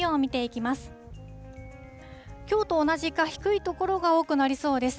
きょうと同じか低い所が多くなりそうです。